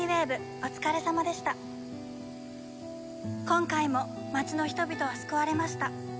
今回も町の人々は救われました。